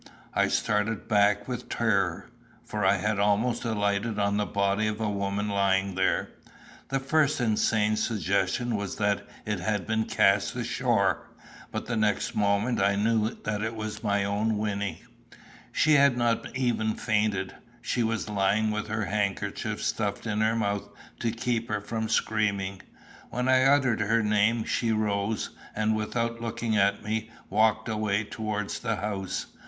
I started back with terror, for I had almost alighted on the body of a woman lying there. The first insane suggestion was that it had been cast ashore; but the next moment I knew that it was my own Wynnie. She had not even fainted. She was lying with her handkerchief stuffed into her mouth to keep her from screaming. When I uttered her name she rose, and, without looking at me, walked away towards the house.